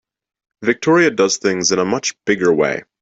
Victoria does things in a much bigger way.